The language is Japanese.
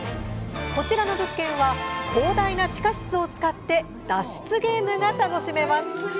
こちらの物件は広大な地下室を使って脱出ゲームが楽しめます。